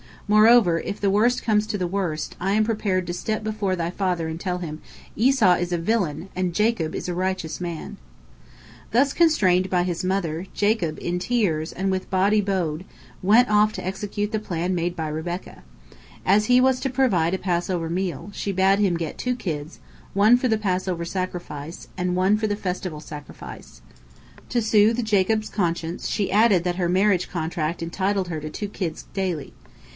Moreover, if the worst comes to the worst, I am prepared to step before thy father and tell him, 'Esau is a villain, and Jacob is a righteous man.'" Thus constrained by his mother, Jacob, in tears and with body bowed, went off to execute the plan made by Rebekah. As he was to provide a Passover meal, she bade him get two kids, one for the Passover sacrifice and one for the festival sacrifice. To soothe Jacob's conscience, she added that her marriage contract entitled her to two kids daily.